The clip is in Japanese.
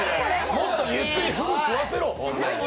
もっとゆっくりふぐ食わせろ。